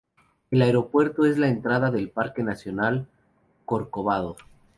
El aeropuerto es la entrada del Parque nacional Corcovado.